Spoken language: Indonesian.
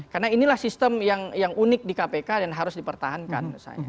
karena inilah sistem yang unik di kpk dan harus dipertahankan